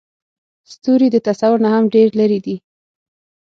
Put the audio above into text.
ستوري د تصور نه هم ډېر لرې دي.